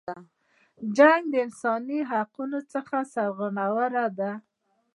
جنګ د انسانی حقونو څخه سرغړونه ده.